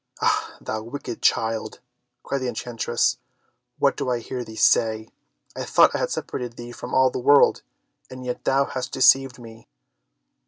"Ah! thou wicked child," cried the enchantress "What do I hear thee say! I thought I had separated thee from all the world, and yet thou hast deceived me."